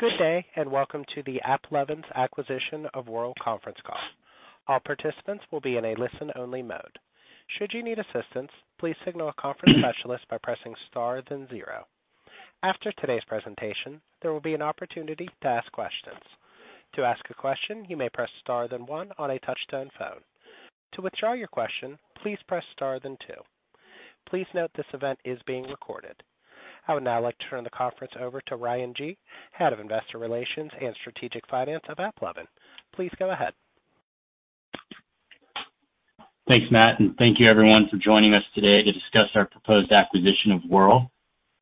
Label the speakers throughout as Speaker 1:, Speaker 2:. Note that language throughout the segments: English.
Speaker 1: Good day, and welcome to the AppLovin's acquisition of Wurl conference call. All participants will be in a listen-only mode. Should you need assistance, please signal a conference specialist by pressing star then zero. After today's presentation, there will be an opportunity to ask questions. To ask a question, you may press star then one on a touch-tone phone. To withdraw your question, please press star then two. Please note this event is being recorded. I would now like to turn the conference over to Ryan Gee, Head of Investor Relations and Strategic Finance of AppLovin. Please go ahead.
Speaker 2: Thanks, Matt, and thank you everyone for joining us today to discuss our proposed acquisition of Wurl.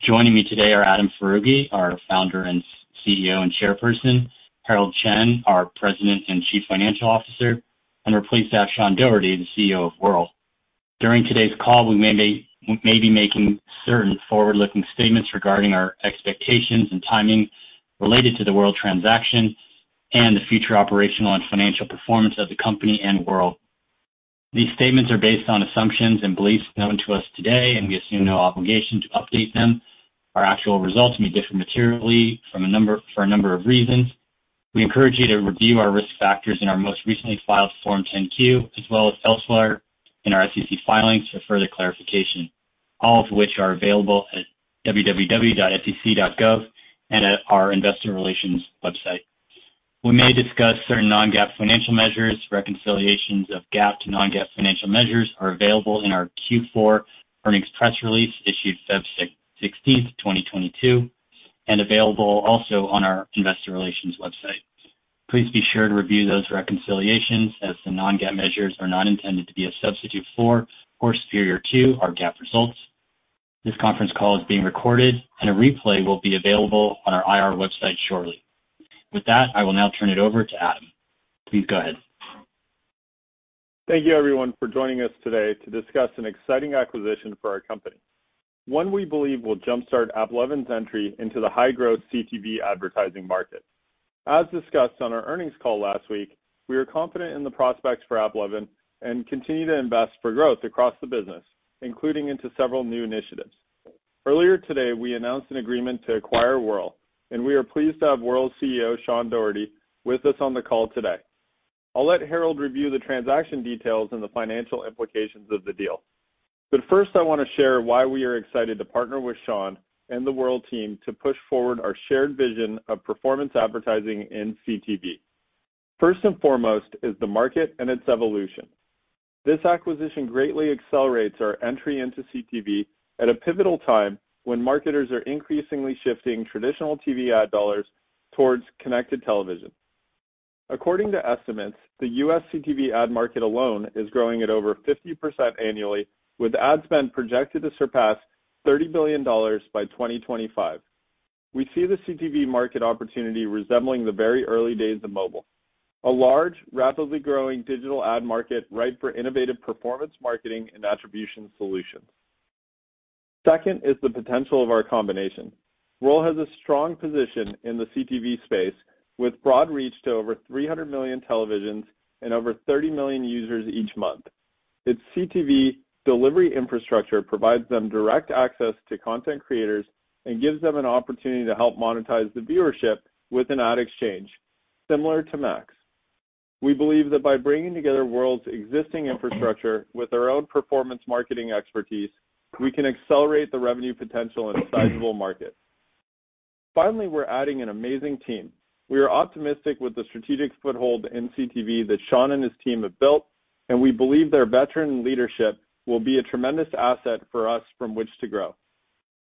Speaker 2: Joining me today are Adam Foroughi, our Founder and CEO and Chairperson, Herald Chen, our President and Chief Financial Officer, and we're pleased to have Sean Doherty, the CEO of Wurl. During today's call, we may be making certain forward-looking statements regarding our expectations and timing related to the Wurl transaction and the future operational and financial performance of the company and Wurl. These statements are based on assumptions and beliefs known to us today, and we assume no obligation to update them. Our actual results may differ materially from a number of reasons. We encourage you to review our risk factors in our most recently filed Form 10-Q as well as elsewhere in our SEC filings for further clarification, all of which are available at www.sec.gov and at our investor relations website. We may discuss certain non-GAAP financial measures. Reconciliations of GAAP to non-GAAP financial measures are available in our Q4 earnings press release issued February 16, 2022, and available also on our investor relations website. Please be sure to review those reconciliations as the non-GAAP measures are not intended to be a substitute for or superior to our GAAP results. This conference call is being recorded, and a replay will be available on our IR website shortly. With that, I will now turn it over to Adam. Please go ahead.
Speaker 3: Thank you everyone for joining us today to discuss an exciting acquisition for our company, one we believe will jumpstart AppLovin's entry into the high-growth CTV advertising market. As discussed on our earnings call last week, we are confident in the prospects for AppLovin and continue to invest for growth across the business, including into several new initiatives. Earlier today, we announced an agreement to acquire Wurl, and we are pleased to have Wurl CEO Sean Doherty with us on the call today. I'll let Herald review the transaction details and the financial implications of the deal. First I wanna share why we are excited to partner with Sean and the Wurl team to push forward our shared vision of performance advertising in CTV. First and foremost is the market and its evolution. This acquisition greatly accelerates our entry into CTV at a pivotal time when marketers are increasingly shifting traditional TV ad dollars towards connected television. According to estimates, the U.S. CTV ad market alone is growing at over 50% annually, with ad spend projected to surpass $30 billion by 2025. We see the CTV market opportunity resembling the very early days of mobile. A large, rapidly growing digital ad market ripe for innovative performance marketing and attribution solutions. Second is the potential of our combination. Wurl has a strong position in the CTV space, with broad reach to over 300 million televisions and over 30 million users each month. Its CTV delivery infrastructure provides them direct access to content creators and gives them an opportunity to help monetize the viewership with an ad exchange similar to MAX. We believe that by bringing together Wurl's existing infrastructure with our own performance marketing expertise, we can accelerate the revenue potential in a sizable market. Finally, we're adding an amazing team. We are optimistic with the strategic foothold in CTV that Sean and his team have built, and we believe their veteran leadership will be a tremendous asset for us from which to grow.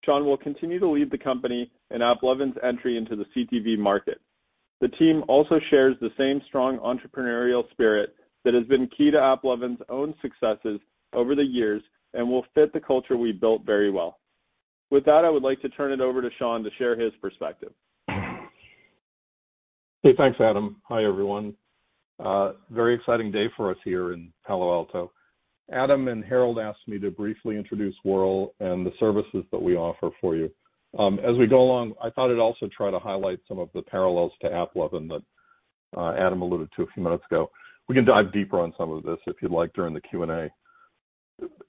Speaker 3: Sean will continue to lead the company in AppLovin's entry into the CTV market. The team also shares the same strong entrepreneurial spirit that has been key to AppLovin's own successes over the years and will fit the culture we've built very well. With that, I would like to turn it over to Sean to share his perspective.
Speaker 4: Okay, thanks, Adam. Hi, everyone. Very exciting day for us here in Palo Alto. Adam and Herald asked me to briefly introduce Wurl and the services that we offer for you. As we go along, I thought I'd also try to highlight some of the parallels to AppLovin that Adam alluded to a few minutes ago. We can dive deeper on some of this if you'd like during the Q&A.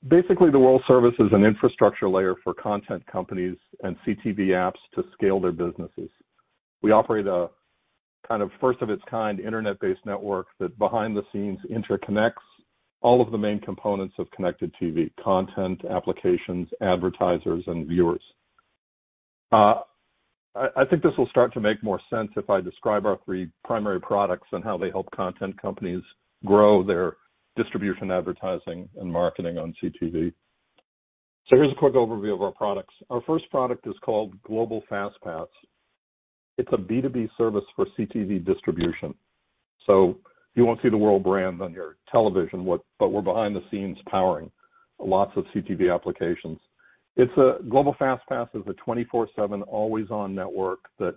Speaker 4: Basically, the Wurl service is an infrastructure layer for content companies and CTV apps to scale their businesses. We operate a kind of first of its kind internet-based network that behind the scenes interconnects all of the main components of connected TV, content, applications, advertisers, and viewers. I think this will start to make more sense if I describe our three primary products and how they help content companies grow their distribution, advertising, and marketing on CTV. Here's a quick overview of our products. Our first product is called Global FAST Pass. It's a B2B service for CTV distribution. You won't see the Wurl brand on your television, but we're behind the scenes powering lots of CTV applications. Global FAST Pass is a 24/7 always-on network that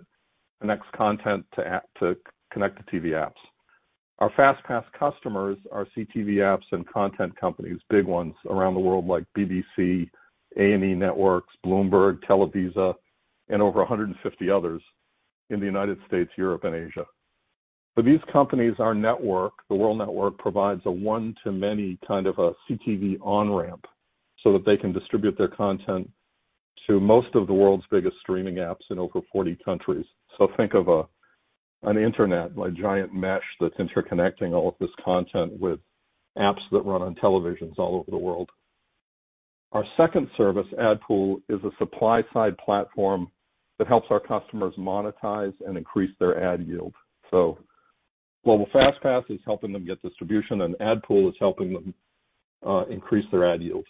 Speaker 4: connects content to connected TV apps. Our FAST Pass customers are CTV apps and content companies, big ones around the world like BBC, A+E Networks, Bloomberg, Televisa, and over 150 others in the United States, Europe, and Asia. For these companies, our network, the Wurl network, provides a one-to-many kind of a CTV on-ramp, so that they can distribute their content to most of the world's biggest streaming apps in over 40 countries. Think of an internet, like giant mesh that's interconnecting all of this content with apps that run on televisions all over the world. Our second service, AdPool, is a supply-side platform that helps our customers monetize and increase their ad yield. Global FAST Pass is helping them get distribution, and AdPool is helping them increase their ad yield.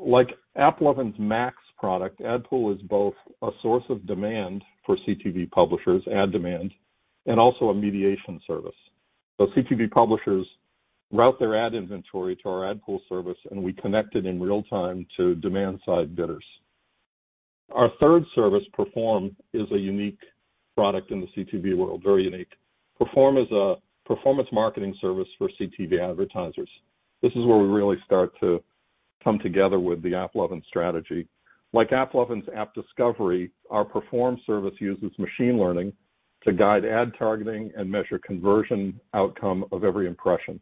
Speaker 4: Like AppLovin's MAX product, AdPool is both a source of demand for CTV publishers, ad demand, and also a mediation service. CTV publishers route their ad inventory to our AdPool service, and we connect it in real time to demand-side bidders. Our third service, Perform, is a unique product in the CTV world, very unique. Perform is a performance marketing service for CTV advertisers. This is where we really start to come together with the AppLovin strategy. Like AppLovin's AppDiscovery, our Perform service uses machine learning to guide ad targeting and measure conversion outcome of every impression.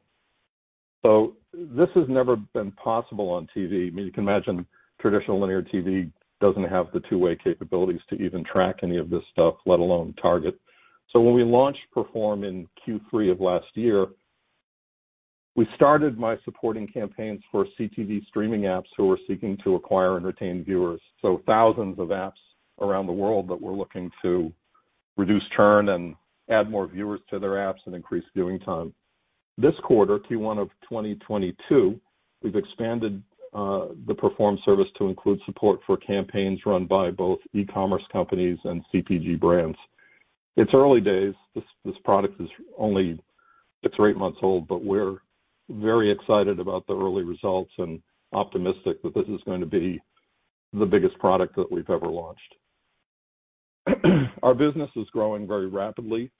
Speaker 4: This has never been possible on TV. I mean, you can imagine traditional linear TV doesn't have the two-way capabilities to even track any of this stuff, let alone target. When we launched Perform in Q3 of last year, we started by supporting campaigns for CTV streaming apps who were seeking to acquire and retain viewers. Thousands of apps around the world that were looking to reduce churn and add more viewers to their apps and increase viewing time. This quarter, Q1 of 2022, we've expanded the Perform service to include support for campaigns run by both e-commerce companies and CPG brands. It's early days. This product is only 8 months old, but we're very excited about the early results and optimistic that this is gonna be the biggest product that we've ever launched. Our business is growing very rapidly.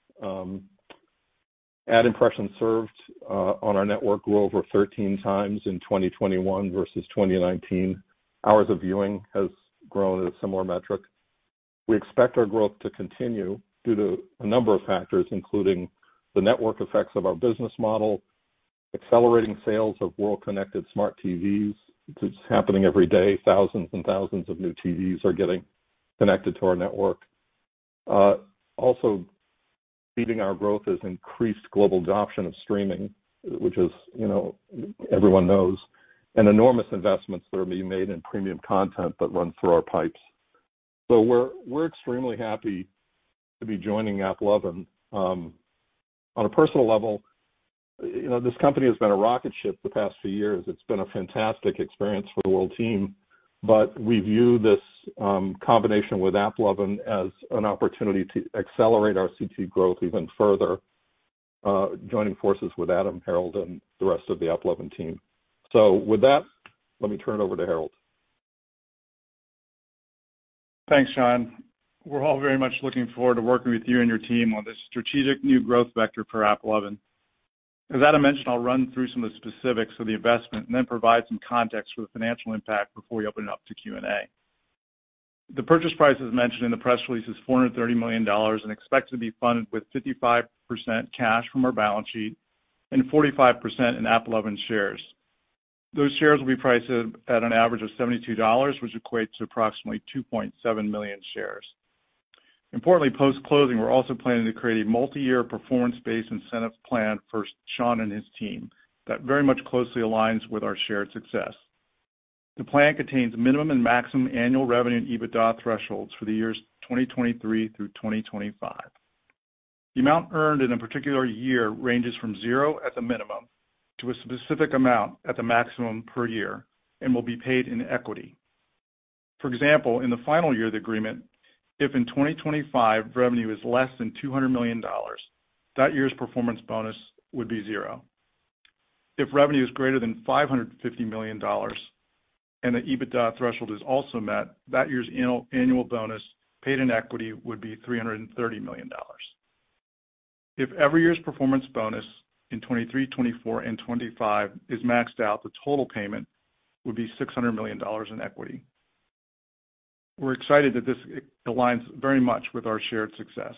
Speaker 4: Ad impressions served on our network grew over 13 times in 2021 versus 2019. Hours of viewing has grown at a similar metric. We expect our growth to continue due to a number of factors, including the network effects of our business model, accelerating sales of Wurl connected smart TVs. It's happening every day. Thousands and thousands of new TVs are getting connected to our network. Also feeding our growth is increased global adoption of streaming, which is, you know, everyone knows, and enormous investments that are being made in premium content that run through our pipes. We're extremely happy to be joining AppLovin. On a personal level, you know, this company has been a rocket ship the past few years. It's been a fantastic experience for the Wurl team, but we view this combination with AppLovin as an opportunity to accelerate our CTV growth even further, joining forces with Adam, Herald, and the rest of the AppLovin team. With that, let me turn it over to Herald.
Speaker 5: Thanks, Sean. We're all very much looking forward to working with you and your team on this strategic new growth vector for AppLovin. As Adam mentioned, I'll run through some of the specifics of the investment and then provide some context for the financial impact before we open it up to Q&A. The purchase price, as mentioned in the press release, is $430 million and expected to be funded with 55% cash from our balance sheet and 45% in AppLovin shares. Those shares will be priced at an average of $72, which equates to approximately 2.7 million shares. Importantly, post-closing, we're also planning to create a multi-year performance-based incentives plan for Sean and his team that very much closely aligns with our shared success. The plan contains minimum and maximum annual revenue and EBITDA thresholds for the years 2023 through 2025. The amount earned in a particular year ranges from zero at the minimum to a specific amount at the maximum per year and will be paid in equity. For example, in the final year of the agreement, if in 2025 revenue is less than $200 million, that year's performance bonus would be zero. If revenue is greater than $550 million and the EBITDA threshold is also met, that year's annual bonus paid in equity would be $330 million. If every year's performance bonus in 2023, 2024, and 2025 is maxed out, the total payment would be $600 million in equity. We're excited that this aligns very much with our shared success.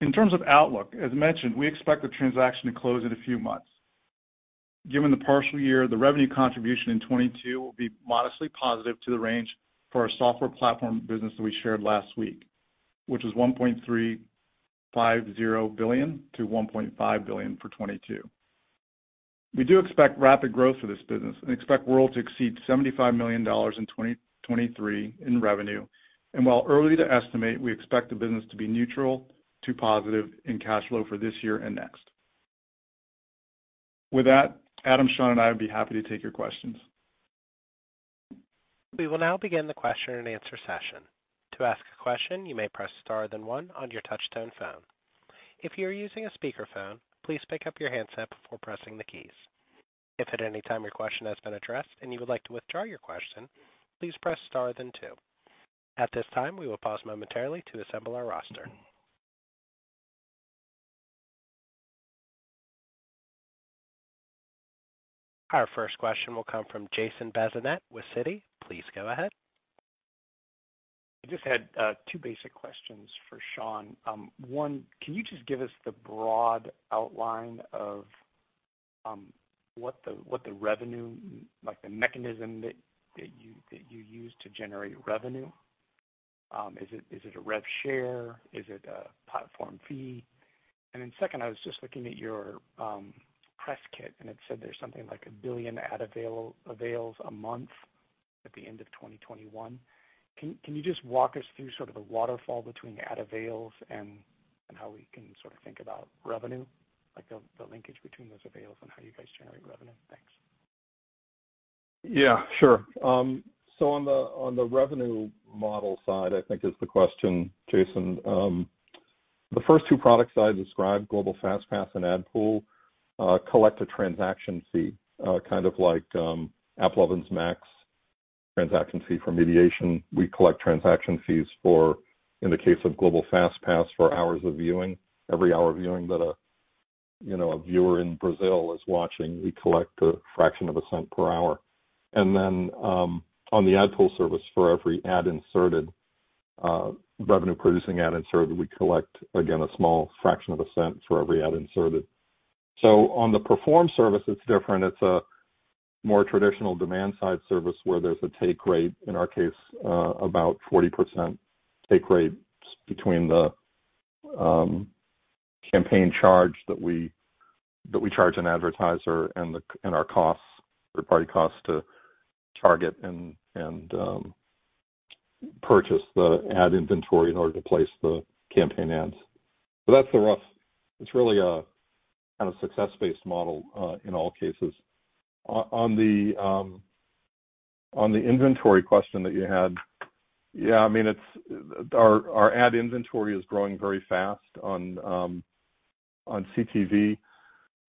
Speaker 5: In terms of outlook, as mentioned, we expect the transaction to close in a few months. Given the partial year, the revenue contribution in 2022 will be modestly positive to the range for our software platform business that we shared last week, which is $1.350 billion-$1.5 billion for 2022. We do expect rapid growth for this business and expect Wurl to exceed $75 million in 2023 in revenue. While early to estimate, we expect the business to be neutral to positive in cash flow for this year and next. With that, Adam, Sean, and I would be happy to take your questions.
Speaker 1: We will now begin the question-and-answer session. To ask a question, you may press star then one on your touchtone phone. If you are using a speakerphone, please pick up your handset before pressing the keys. If at any time your question has been addressed and you would like to withdraw your question, please press star then two. At this time, we will pause momentarily to assemble our roster. Our first question will come from Jason Bazinet with Citi. Please go ahead.
Speaker 6: I just had two basic questions for Sean. One, can you just give us the broad outline of what the revenue—like the mechanism that you use to generate revenue? Is it a rev share? Is it a platform fee? And then second, I was just looking at your press kit, and it said there's something like 1 billion ad avails a month at the end of 2021. Can you just walk us through sort of the waterfall between ad avails and how we can sort of think about revenue, like the linkage between those avails and how you guys generate revenue? Thanks.
Speaker 4: Yeah, sure. On the revenue model side, I think that's the question, Jason. The first two products that I described, Global FAST Pass and AdPool, collect a transaction fee, kind of like AppLovin's MAX transaction fee for mediation. We collect transaction fees for, in the case of Global FAST Pass, hours of viewing. Every hour of viewing that, you know, a viewer in Brazil is watching, we collect a fraction of a cent per hour. And then, on the AdPool service, for every ad inserted, revenue-producing ad inserted, we collect again a small fraction of a cent for every ad inserted. On the Perform service, it's different. It's a more traditional demand-side service where there's a take rate, in our case, about 40% take rate between the campaign charge that we charge an advertiser and our costs, third-party costs to target and purchase the ad inventory in order to place the campaign ads. That's the rough. It's really a kind of success-based model in all cases. On the inventory question that you had, yeah, I mean, it's. Our ad inventory is growing very fast on CTV.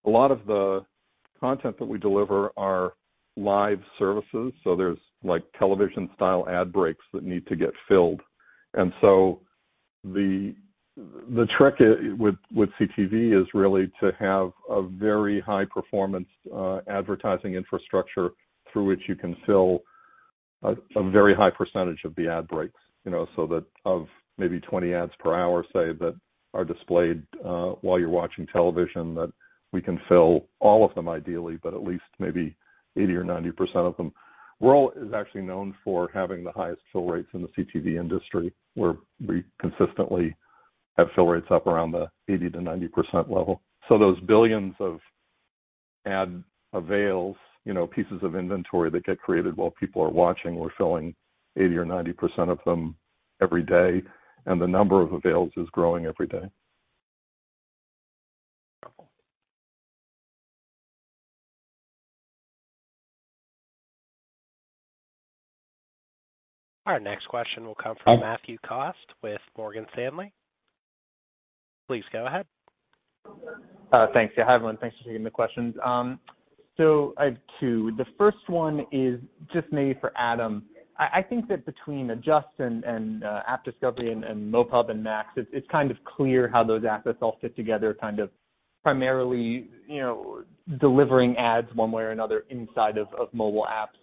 Speaker 4: A lot of the content that we deliver are live services, so there's like television-style ad breaks that need to get filled. The trick with CTV is really to have a very high-performance advertising infrastructure through which you can fill a very high percentage of the ad breaks, you know. That of maybe 20 ads per hour, say, that are displayed while you're watching television, that we can fill all of them ideally, but at least maybe 80% or 90% of them. Wurl is actually known for having the highest fill rates in the CTV industry, where we consistently have fill rates up around the 80%-90% level. Those billions of ad avails, you know, pieces of inventory that get created while people are watching, we're filling 80% or 90% of them every day, and the number of avails is growing every day.
Speaker 1: Our next question will come from Matthew Cost with Morgan Stanley. Please go ahead.
Speaker 7: Thanks. Yeah, hi, everyone. Thanks for taking the questions. So I have two. The first one is just maybe for Adam. I think that between Adjust and AppDiscovery and MoPub and MAX, it's kind of clear how those assets all fit together, kind of primarily, you know, delivering ads one way or another inside of mobile apps.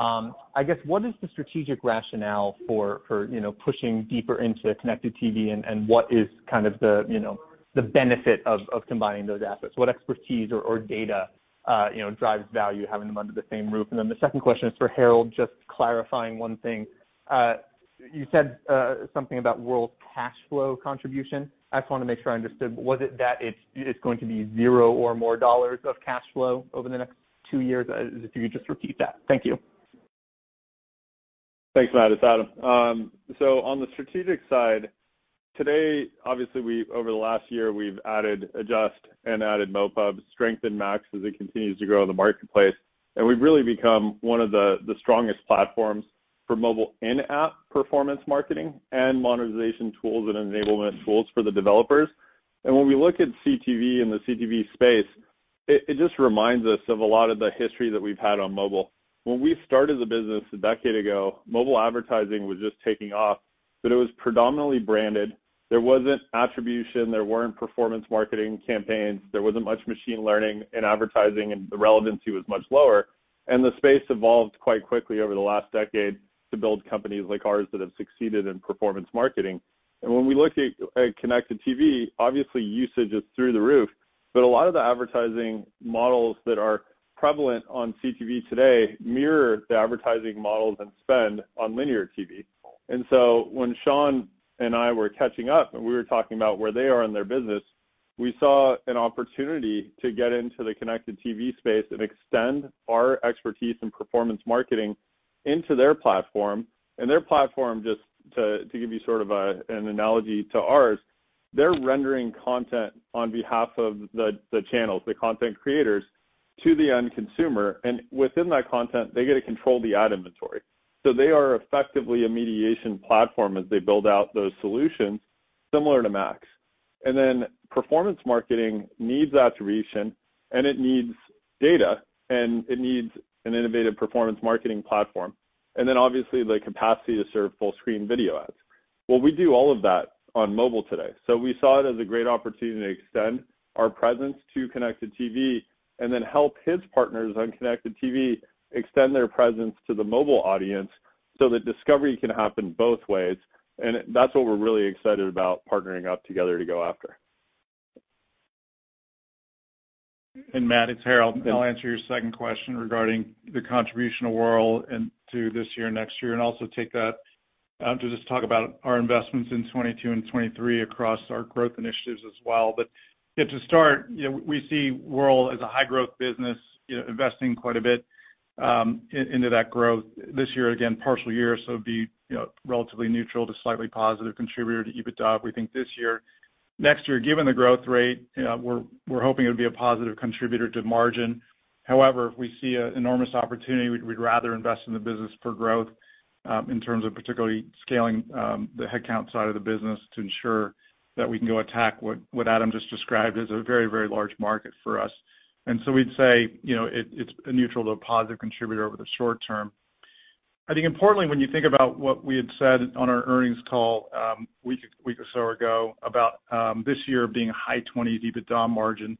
Speaker 7: I guess what is the strategic rationale for, you know, pushing deeper into connected TV and what is kind of the, you know, the benefit of combining those assets? What expertise or data, you know, drives value having them under the same roof? And then the second question is for Herald, just clarifying one thing. You said something about Wurl's cash flow contribution. I just wanna make sure I understood. Was it that it's going to be $0 or more dollars of cash flow over the next two years? If you could just repeat that. Thank you.
Speaker 3: Thanks, Matt. It's Adam. So on the strategic side, today, obviously, we've over the last year, we've added Adjust and added MoPub, strengthened MAX as it continues to grow in the marketplace. We've really become one of the strongest platforms for mobile in-app performance marketing and monetization tools and enablement tools for the developers. When we look at CTV and the CTV space, it just reminds us of a lot of the history that we've had on mobile. When we started the business a decade ago, mobile advertising was just taking off, but it was predominantly branded. There wasn't attribution, there weren't performance marketing campaigns, there wasn't much machine learning in advertising, and the relevancy was much lower. The space evolved quite quickly over the last decade to build companies like ours that have succeeded in performance marketing. When we look at connected TV, obviously usage is through the roof, but a lot of the advertising models that are prevalent on CTV today mirror the advertising models and spend on linear TV. When Sean and I were catching up, and we were talking about where they are in their business, we saw an opportunity to get into the connected TV space and extend our expertise in performance marketing into their platform. Their platform, just to give you sort of a, an analogy to ours, they're rendering content on behalf of the channels, the content creators to the end consumer, and within that content, they get to control the ad inventory. They are effectively a mediation platform as they build out those solutions similar to MAX. Then performance marketing needs attribution, and it needs data, and it needs an innovative performance marketing platform, and then obviously the capacity to serve full-screen video ads. Well, we do all of that on mobile today. We saw it as a great opportunity to extend our presence to connected TV and then help his partners on connected TV extend their presence to the mobile audience so that discovery can happen both ways. That's what we're really excited about partnering up together to go after.
Speaker 5: Matt, it's Herald. I'll answer your second question regarding the contribution of Wurl into this year, next year, and also take that to just talk about our investments in 2022 and 2023 across our growth initiatives as well. To start, you know, we see Wurl as a high-growth business, you know, investing quite a bit into that growth this year. Again, partial year, so it'd be, you know, relatively neutral to slightly positive contributor to EBITDA, we think this year. Next year, given the growth rate, we're hoping it'll be a positive contributor to margin. However, we see an enormous opportunity. We'd rather invest in the business for growth in terms of particularly scaling the headcount side of the business to ensure that we can go attack what Adam just described as a very, very large market for us. We'd say, you know, it's a neutral to a positive contributor over the short term. I think importantly, when you think about what we had said on our earnings call, a week or so ago about, this year being high 20s% EBITDA margin,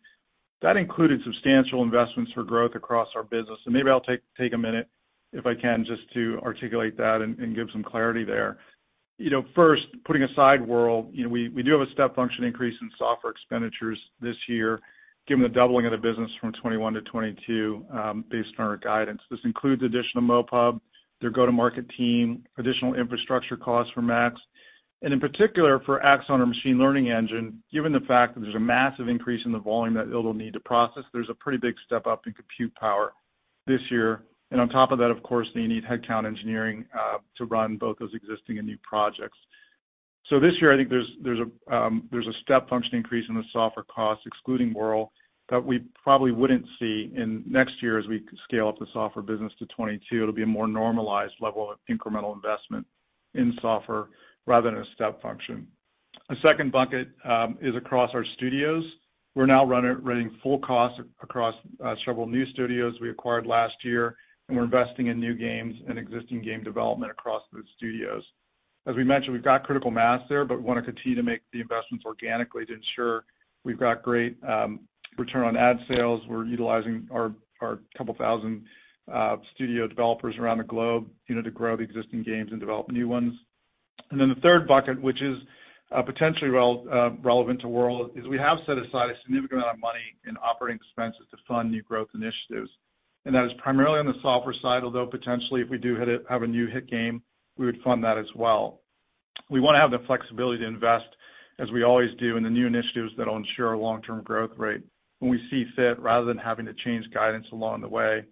Speaker 5: that included substantial investments for growth across our business. Maybe I'll take a minute if I can, just to articulate that and give some clarity there. You know, first, putting aside Wurl, you know, we do have a step function increase in software expenditures this year given the doubling of the business from 2021 to 2022, based on our guidance. This includes additional MoPub, their go-to-market team, additional infrastructure costs for MAX, and in particular for Axon, our machine learning engine, given the fact that there's a massive increase in the volume that it'll need to process, there's a pretty big step-up in compute power this year. On top of that, of course, they need headcount engineering to run both those existing and new projects. This year, I think there's a step function increase in the software costs, excluding Wurl, that we probably wouldn't see in next year as we scale up the software business to 2022. It'll be a more normalized level of incremental investment in software rather than a step function. A second bucket is across our studios. We're now running full cost across several new studios we acquired last year, and we're investing in new games and existing game development across the studios. As we mentioned, we've got critical mass there, but wanna continue to make the investments organically to ensure we've got great return on ad sales. We're utilizing our couple thousand studio developers around the globe, you know, to grow the existing games and develop new ones. Then the third bucket, which is potentially relevant to Wurl, is we have set aside a significant amount of money in operating expenses to fund new growth initiatives. That is primarily on the software side, although potentially, if we do have a new hit game, we would fund that as well. We wanna have the flexibility to invest as we always do in the new initiatives that'll ensure our long-term growth rate when we see fit, rather than having to change guidance along the way.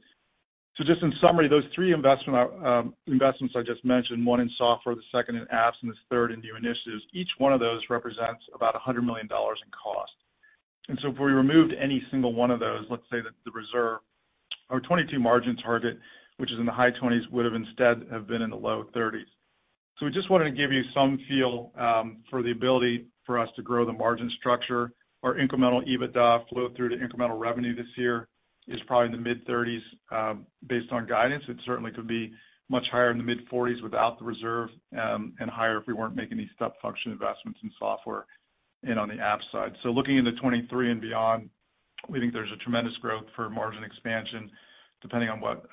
Speaker 5: Just in summary, those three investments I just mentioned, one in software, the second in apps, and the third in new initiatives. Each one of those represents about $100 million in cost. If we removed any single one of those, let's say that the 22% margin target, which is in the high 20s%, would have instead have been in the low 30s%. We just wanted to give you some feel for the ability for us to grow the margin structure. Our incremental EBITDA flow through to incremental revenue this year is probably in the mid-30s%, based on guidance. It certainly could be much higher in the mid-40s% without the reserve, and higher if we weren't making these step function investments in software and on the app side. Looking into 2023 and beyond, we think there's a tremendous growth for margin expansion depending on what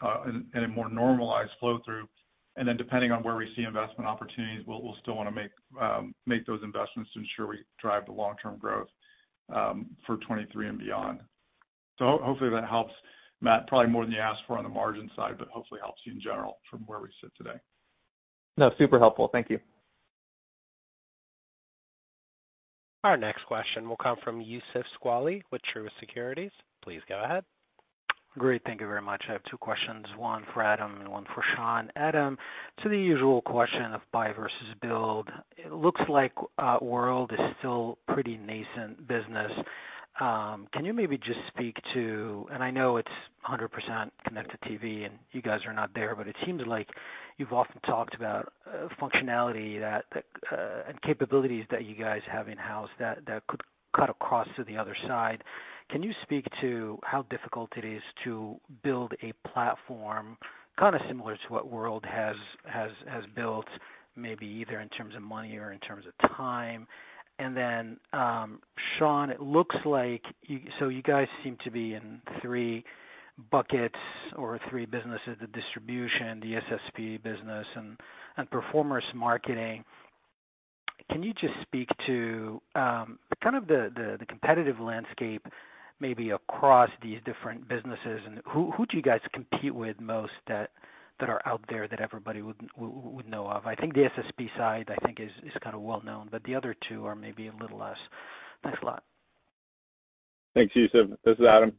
Speaker 5: in a more normalized flow through. Then depending on where we see investment opportunities, we'll still wanna make those investments to ensure we drive the long-term growth for 2023 and beyond. Hopefully that helps, Matt, probably more than you asked for on the margin side, but hopefully helps you in general from where we sit today.
Speaker 7: No, super helpful. Thank you.
Speaker 1: Our next question will come from Youssef Squali with Truist Securities. Please go ahead.
Speaker 8: Great. Thank you very much. I have two questions. One for Adam and one for Sean. Adam, to the usual question of buy versus build, it looks like Wurl is still pretty nascent business. Can you maybe just speak to and I know it's 100% connected TV, and you guys are not there, but it seems like you've often talked about functionality that and capabilities that you guys have in-house that could cut across to the other side. Can you speak to how difficult it is to build a platform kinda similar to what Wurl has built, maybe either in terms of money or in terms of time? And then, Sean, it looks like you so you guys seem to be in three buckets or three businesses, the distribution, the SSP business and Perform's marketing. Can you just speak to kind of the competitive landscape maybe across these different businesses? Who do you guys compete with most that are out there that everybody would know of? I think the SSP side is kinda well known, but the other two are maybe a little less. Thanks a lot.
Speaker 3: Thanks, Youssef. This is Adam.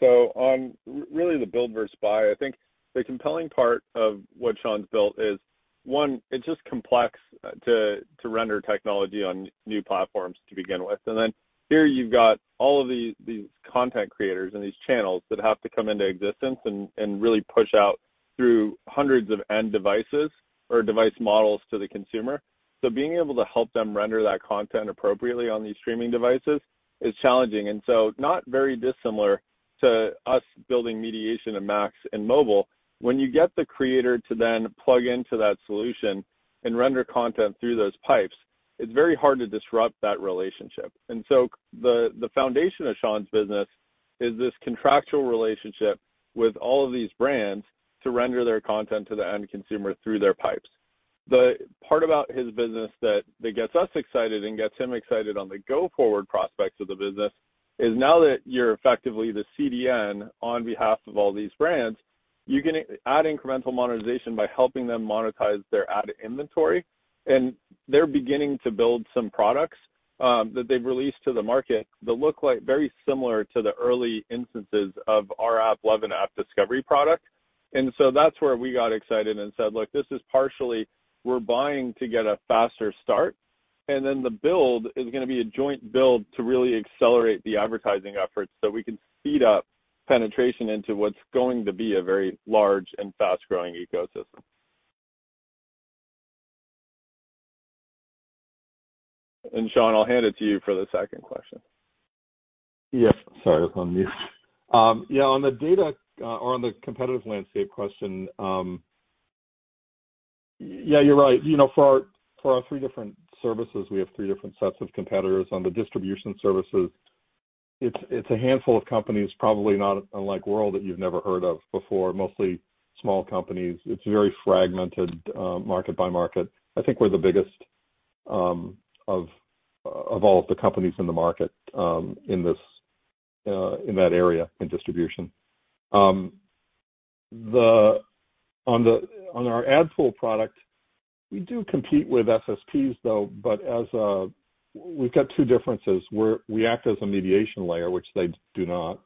Speaker 3: On really the build versus buy, I think the compelling part of what Sean's built is, one, it's just complex to render technology on new platforms to begin with. Then here you've got all of these content creators and these channels that have to come into existence and really push out through hundreds of end devices or device models to the consumer. Being able to help them render that content appropriately on these streaming devices is challenging. Not very dissimilar to us building mediation in MAX and mobile. When you get the creator to then plug into that solution and render content through those pipes. It's very hard to disrupt that relationship. The foundation of Sean's business is this contractual relationship with all of these brands to render their content to the end consumer through their pipes. The part about his business that gets us excited and gets him excited on the go-forward prospects of the business is now that you're effectively the CDN on behalf of all these brands, you can add incremental monetization by helping them monetize their ad inventory. They're beginning to build some products that they've released to the market that look like very similar to the early instances of our AppLovin AppDiscovery product. that's where we got excited and said, "Look, this is partly why we're buying to get a faster start, and then the build is gonna be a joint build to really accelerate the advertising efforts so we can speed up penetration into what's going to be a very large and fast-growing ecosystem." Sean, I'll hand it to you for the second question.
Speaker 4: Yes. Sorry, I was on mute. Yeah, on the data or on the competitive landscape question, yeah, you're right. You know, for our three different services, we have three different sets of competitors. On the distribution services, it's a handful of companies, probably not unlike Wurl that you've never heard of before, mostly small companies. It's very fragmented, market by market. I think we're the biggest of all of the companies in the market, in that area, in distribution. On our AdPool product, we do compete with SSPs though, but as a. We've got two differences. We act as a mediation layer, which they do not.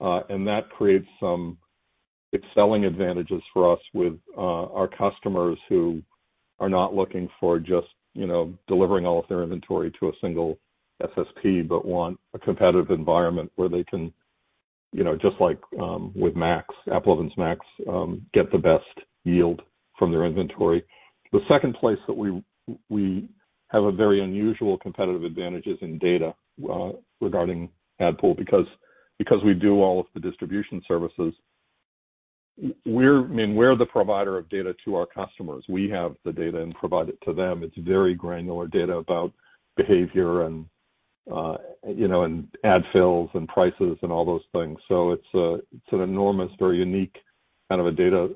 Speaker 4: That creates some excellent advantages for us with our customers who are not looking for just, you know, delivering all of their inventory to a single SSP, but want a competitive environment where they can, you know, just like, with MAX, AppLovin's MAX, get the best yield from their inventory. The second place that we have a very unusual competitive advantage is in data regarding AdPool because we do all of the distribution services. I mean, we're the provider of data to our customers. We have the data and provide it to them. It's very granular data about behavior and, you know, and ad fills and prices and all those things. It's an enormous, very unique kind of a data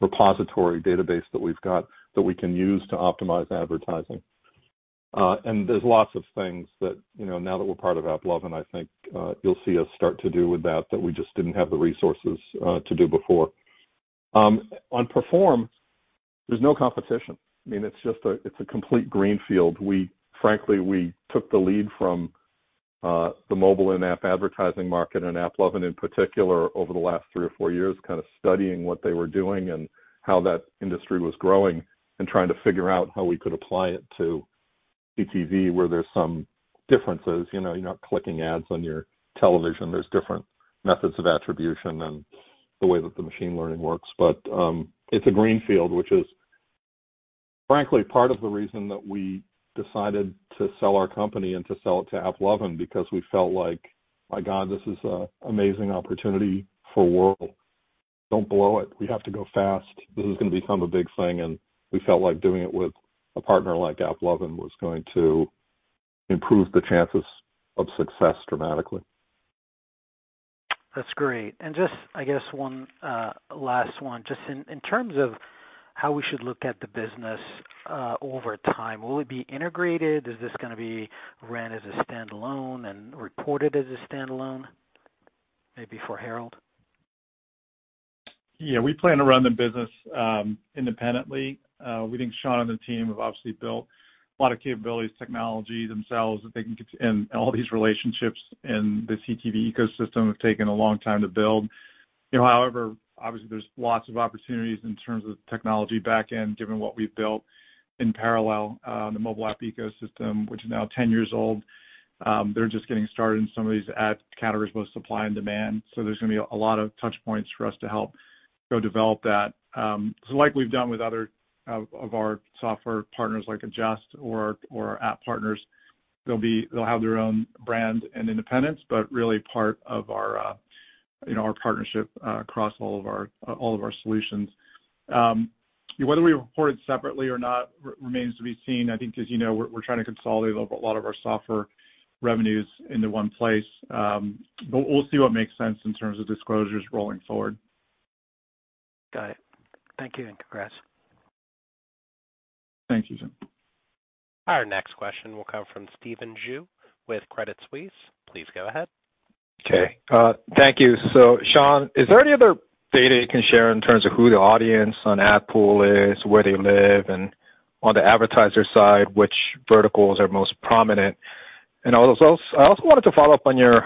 Speaker 4: repository database that we've got that we can use to optimize advertising. There's lots of things that, you know, now that we're part of AppLovin, I think, you'll see us start to do with that we just didn't have the resources to do before. On Perform, there's no competition. I mean, it's just a complete greenfield. Frankly, we took the lead from the mobile in-app advertising market and AppLovin in particular over the last three or four years, kind of studying what they were doing and how that industry was growing and trying to figure out how we could apply it to CTV, where there's some differences. You know, you're not clicking ads on your television. There's different methods of attribution and the way that the machine learning works. it's a greenfield, which is frankly part of the reason that we decided to sell our company and to sell it to AppLovin because we felt like, my God, this is an amazing opportunity for Wurl. Don't blow it. We have to go fast. This is gonna become a big thing, and we felt like doing it with a partner like AppLovin was going to improve the chances of success dramatically.
Speaker 8: That's great. Just, I guess, one last one. Just in terms of how we should look at the business over time, will it be integrated? Is this gonna be ran as a standalone and reported as a standalone? Maybe for Herald.
Speaker 3: Yeah. We plan to run the business independently. We think Sean and the team have obviously built a lot of capabilities, technology themselves that they can and all these relationships in the CTV ecosystem have taken a long time to build. You know, however, obviously, there's lots of opportunities in terms of technology backend, given what we've built in parallel, the mobile app ecosystem, which is now 10 years old. They're just getting started in some of these ad categories, both supply and demand. So there's gonna be a lot of touch points for us to help go develop that. So like we've done with other of our software partners like Adjust or app partners, they'll have their own brand and independence, but really part of our, you know, our partnership across all of our solutions. Whether we report it separately or not remains to be seen. I think as you know, we're trying to consolidate a lot of our software revenues into one place. We'll see what makes sense in terms of disclosures rolling forward.
Speaker 8: Got it. Thank you, and congrats.
Speaker 3: Thank you, Youssef.
Speaker 1: Our next question will come from Stephen Ju with Credit Suisse. Please go ahead.
Speaker 9: Okay. Thank you. Sean, is there any other data you can share in terms of who the audience on AdPool is, where they live, and on the advertiser side, which verticals are most prominent? I also wanted to follow up on your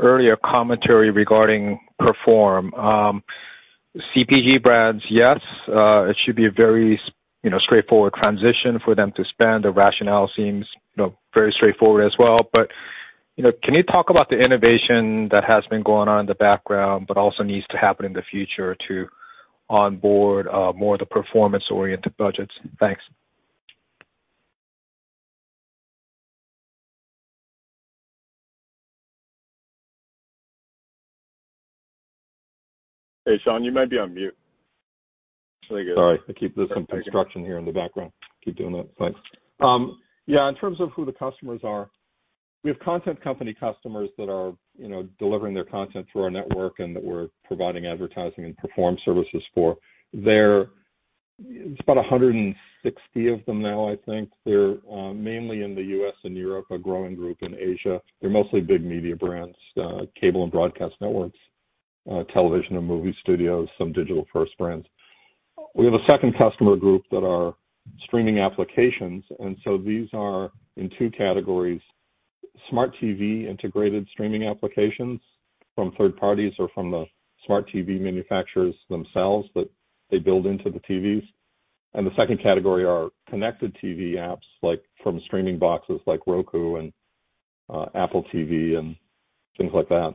Speaker 9: earlier commentary regarding Perform. CPG brands, yes, you know, it should be a very straightforward transition for them to spend. The rationale seems, you know, very straightforward as well. You know, can you talk about the innovation that has been going on in the background but also needs to happen in the future to onboard more of the performance-oriented budgets? Thanks.
Speaker 3: Hey, Sean, you might be on mute.
Speaker 4: Sorry. I keep-- There's some construction here in the background. Keep doing that. Thanks. Yeah, in terms of who the customers are, we have content company customers that are, you know, delivering their content through our network and that we're providing advertising and Perform services for. It's about 160 of them now, I think. They're mainly in the U.S. and Europe, a growing group in Asia. They're mostly big media brands, cable and broadcast networks, television and movie studios, some digital-first brands. We have a second customer group that are streaming applications, and so these are in two categories, smart TV integrated streaming applications from third parties or from the smart TV manufacturers themselves that they build into the TVs. The second category are connected TV apps, like, from streaming boxes like Roku and Apple TV and things like that.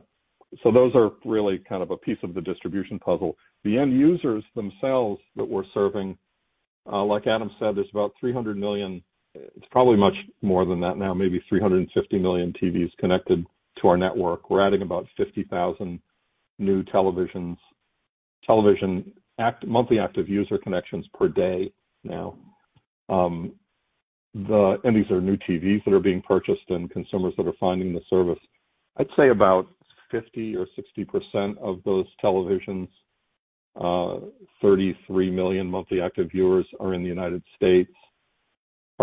Speaker 4: Those are really kind of a piece of the distribution puzzle. The end users themselves that we're serving, like Adam said, there's about 300 million. It's probably much more than that now, maybe 350 million TVs connected to our network. We're adding about 50,000 new television monthly active user connections per day now. These are new TVs that are being purchased and consumers that are finding the service. I'd say about 50% or 60% of those televisions, 33 million monthly active viewers are in the United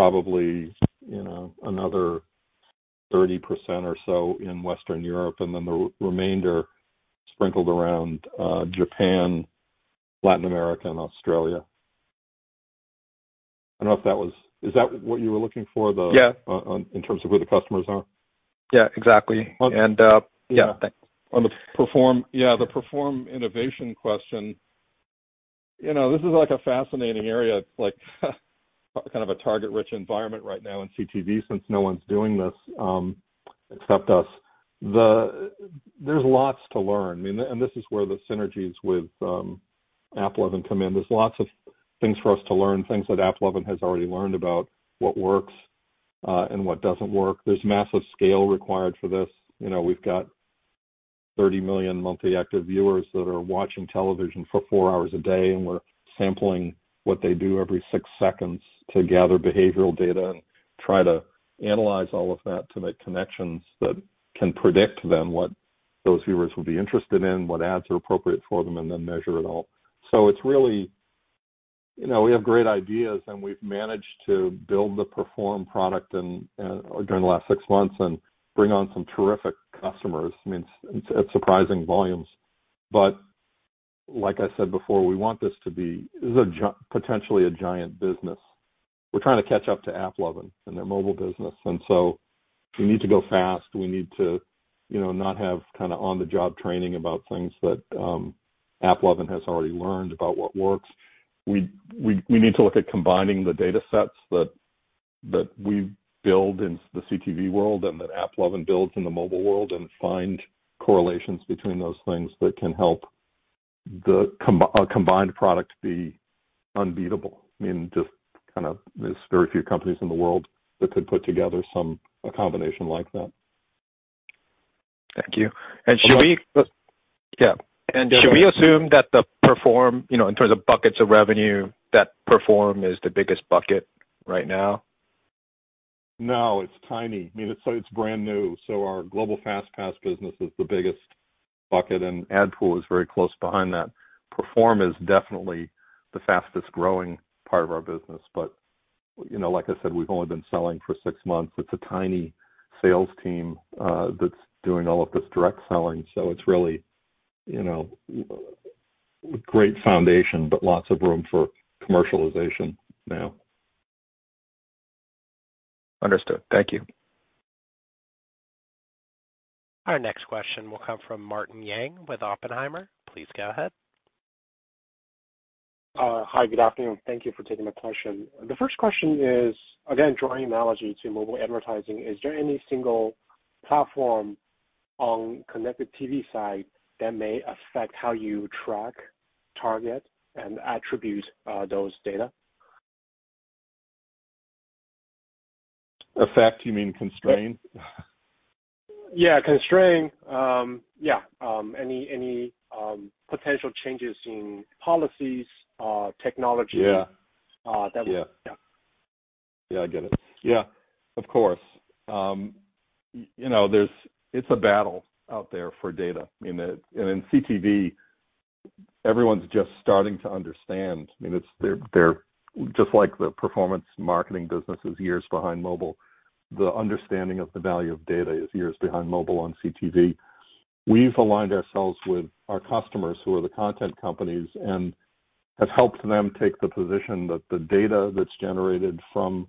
Speaker 4: States, probably, you know, another 30% or so in Western Europe, and then the remainder sprinkled around, Japan, Latin America and Australia. I don't know if that was. Is that what you were looking for, the-
Speaker 9: Yeah.
Speaker 4: In terms of who the customers are?
Speaker 9: Yeah, exactly.
Speaker 4: On-
Speaker 9: Yeah. Thanks.
Speaker 4: On the Perform innovation question. Yeah, the Perform innovation question. You know, this is like a fascinating area, like, kind of a target-rich environment right now in CTV since no one's doing this, except us. There's lots to learn. I mean, this is where the synergies with AppLovin come in. There's lots of things for us to learn, things that AppLovin has already learned about what works, and what doesn't work. There's massive scale required for this. You know, we've got 30 million monthly active viewers that are watching television for four hours a day, and we're sampling what they do every six seconds to gather behavioral data and try to analyze all of that to make connections that can predict then what those viewers will be interested in, what ads are appropriate for them, and then measure it all. So it's really. You know, we have great ideas, and we've managed to build the Perform product during the last six months and bring on some terrific customers. I mean, it's surprising volumes. But like I said before, we want this to be potentially a giant business. We're trying to catch up to AppLovin and their mobile business, and so we need to go fast. We need to, you know, not have kinda on-the-job training about things that AppLovin has already learned about what works. We need to look at combining the datasets that we build in the CTV world and that AppLovin builds in the mobile world and find correlations between those things that can help the combined product be unbeatable. I mean, just kind of there's very few companies in the world that could put together a combination like that.
Speaker 9: Thank you.
Speaker 4: Well, I-
Speaker 9: Yeah.
Speaker 4: Go ahead.
Speaker 9: Should we assume that the Perform, you know, in terms of buckets of revenue, that Perform is the biggest bucket right now?
Speaker 4: No, it's tiny. I mean, It's brand new. Our Global FAST Pass business is the biggest bucket, and AdPool is very close behind that. Perform is definitely the fastest-growing part of our business, but, you know, like I said, we've only been selling for six months. It's a tiny sales team, that's doing all of this direct selling. It's really, you know, great foundation, but lots of room for commercialization now.
Speaker 9: Understood. Thank you.
Speaker 1: Our next question will come from Martin Yang with Oppenheimer. Please go ahead.
Speaker 10: Hi, good afternoon. Thank you for taking my question. The first question is, again, drawing analogy to mobile advertising, is there any single platform on connected TV side that may affect how you track, target, and attribute those data?
Speaker 4: Affect, you mean constrain?
Speaker 10: Any potential changes in policies, technology-
Speaker 4: Yeah.
Speaker 10: Uh, that would-
Speaker 4: Yeah.
Speaker 10: Yeah.
Speaker 4: Yeah, I get it. Yeah, of course. You know, there's a battle out there for data. I mean, in CTV, everyone's just starting to understand. I mean, they're just like the performance marketing business is years behind mobile, the understanding of the value of data is years behind mobile on CTV. We've aligned ourselves with our customers who are the content companies and have helped them take the position that the data that's generated from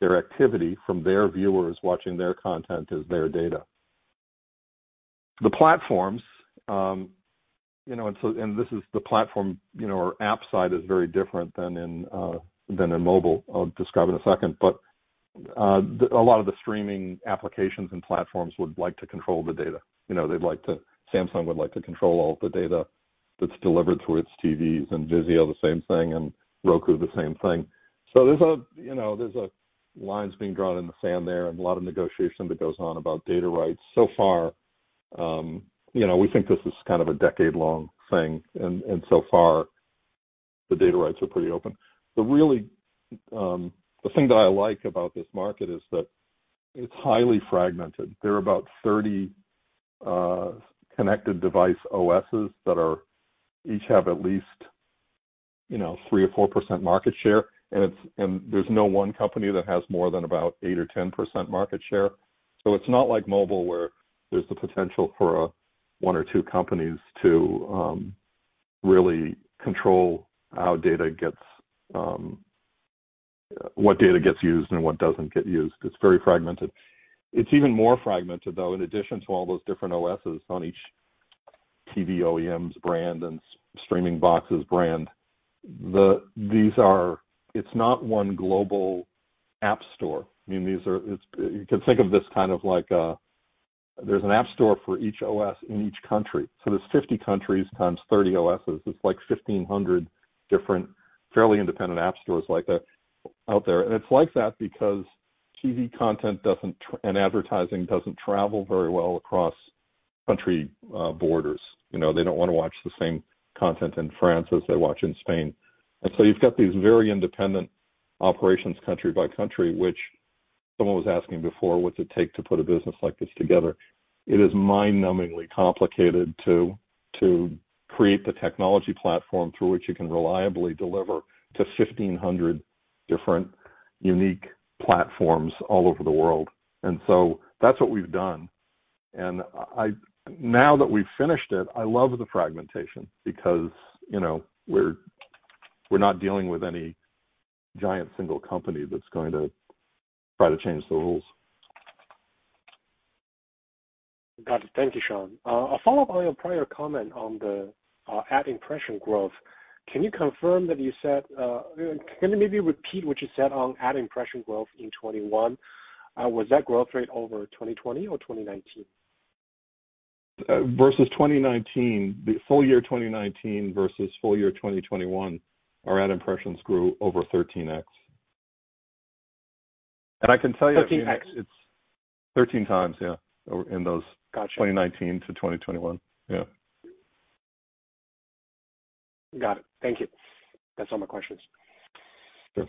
Speaker 4: their activity, from their viewers watching their content is their data. The platforms, you know, this is the platform, you know, or app side is very different than in mobile. I'll describe in a second. A lot of the streaming applications and platforms would like to control the data. You know, they'd like to Samsung would like to control all of the data that's delivered through its TVs, and Vizio the same thing, and Roku the same thing. There's a line being drawn in the sand there and a lot of negotiation that goes on about data rights. So far, you know, we think this is kind of a decade-long thing. So far, the data rights are pretty open. The thing that I like about this market is that it's highly fragmented. There are about 30 connected device OSs that each have at least, you know, 3% or 4% market share. There's no one company that has more than about 8% or 10% market share. It's not like mobile, where there's the potential for one or two companies to really control how data gets what data gets used and what doesn't get used. It's very fragmented. It's even more fragmented, though. In addition to all those different OSs on each TV OEMs brand and streaming boxes brand, these are not one global app store. I mean, it's like there's an app store for each OS in each country. There's 50 countries times 30 OSs. It's like that because TV content doesn't travel and advertising doesn't travel very well across country borders. You know, they don't wanna watch the same content in France as they watch in Spain. You've got these very independent operations country by country, which someone was asking before, what's it take to put a business like this together? It is mind-numbingly complicated to create the technology platform through which you can reliably deliver to 1,500 different unique platforms all over the world. That's what we've done. I now that we've finished it, I love the fragmentation because, you know, we're not dealing with any giant single company that's going to try to change the rules.
Speaker 10: Got it. Thank you, Sean. A follow-up on your prior comment on the ad impression growth. Can you confirm that you said, can you maybe repeat what you said on ad impression growth in 2021? Was that growth rate over 2020 or 2019?
Speaker 4: Versus 2019. The full year, 2019 versus full year 2021, our ad impressions grew over 13x. I can tell you.
Speaker 10: 13x?
Speaker 4: 13x, yeah, in those.
Speaker 10: Got you.
Speaker 4: 2019 to 2021. Yeah.
Speaker 10: Got it. Thank you. That's all my questions.
Speaker 4: Sure.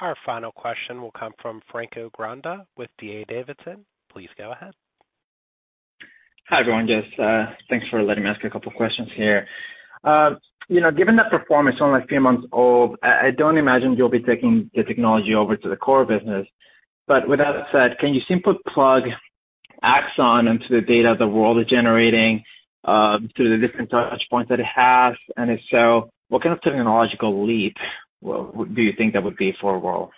Speaker 1: Our final question will come from Franco Granda with D.A. Davidson. Please go ahead.
Speaker 11: Hi, everyone. Yes, thanks for letting me ask a couple of questions here. You know, given that Perform is only a few months old, I don't imagine you'll be taking the technology over to the core business. But with that said, can you simply plug Axon into the data that Wurl is generating through the different touch points that it has? And if so, what kind of technological leap do you think that would be for Wurl?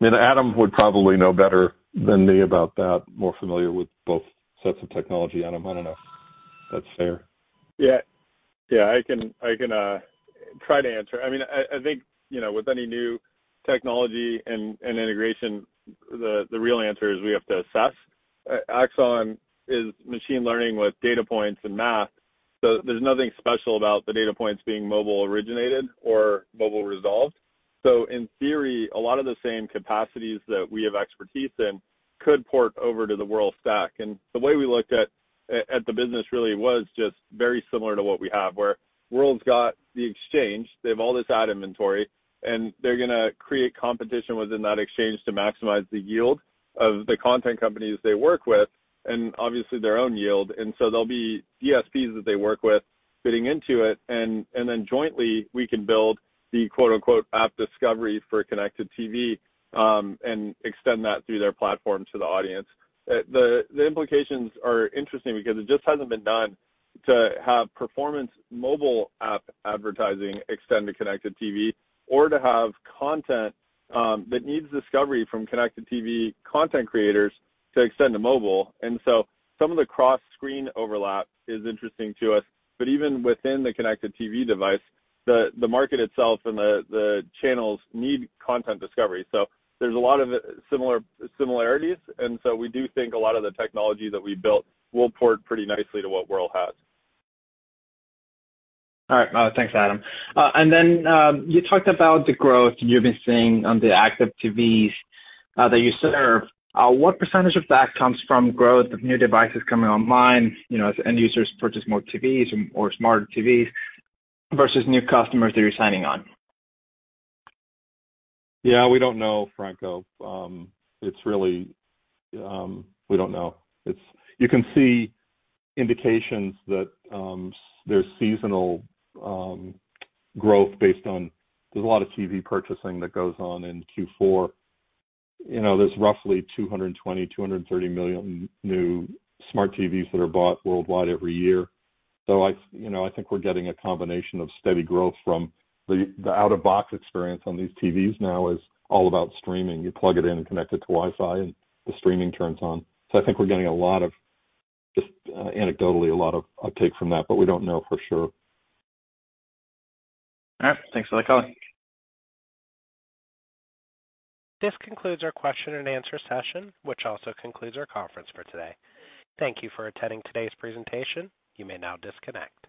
Speaker 4: I mean, Adam would probably know better than me about that, more familiar with both sets of technology. Adam, I don't know if that's fair.
Speaker 3: Yeah. Yeah, I can try to answer. I mean, I think, you know, with any new technology and integration, the real answer is we have to assess. Axon is machine learning with data points and math. So there's nothing special about the data points being mobile originated or mobile resolved. So in theory, a lot of the same capacities that we have expertise in could port over to the Wurl stack. The way we looked at the business really was just very similar to what we have, where Wurl's got the exchange, they have all this ad inventory, and they're gonna create competition within that exchange to maximize the yield of the content companies they work with and obviously their own yield. There'll be DSPs that they work with fitting into it. Then jointly, we can build the quote-unquote app discovery for connected TV, and extend that through their platform to the audience. The implications are interesting because it just hasn't been done to have performance mobile app advertising extend to connected TV or to have content that needs discovery from connected TV content creators to extend to mobile. Some of the cross-screen overlap is interesting to us. Even within the connected TV device, the market itself and the channels need content discovery. There's a lot of similarities, and we do think a lot of the technology that we built will port pretty nicely to what Wurl has.
Speaker 11: All right. Thanks, Adam. You talked about the growth you've been seeing on the active TVs that you serve. What percentage of that comes from growth of new devices coming online, you know, as end users purchase more TVs or smart TVs versus new customers that you're signing on?
Speaker 4: Yeah, we don't know, Franco. It's really, we don't know. You can see indications that there's seasonal growth based on there's a lot of TV purchasing that goes on in Q4. You know, there's roughly 220 million, 230 million new smart TVs that are bought worldwide every year. So I, you know, I think we're getting a combination of steady growth from the out-of-box experience on these TVs now is all about streaming. You plug it in and connect it to Wi-Fi, and the streaming turns on. So I think we're getting a lot of just anecdotally a lot of uptake from that, but we don't know for sure.
Speaker 11: All right. Thanks for the call.
Speaker 1: This concludes our question and answer session, which also concludes our conference for today. Thank you for attending today's presentation. You may now disconnect.